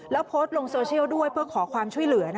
แล้วโพสต์ลงโซเชียลด้วยเพื่อขอความช่วยเหลือ